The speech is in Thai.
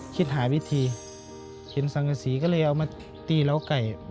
คิดหาวิธีเห็นสังกษีก็เลยเอามาตีเหล้าไก่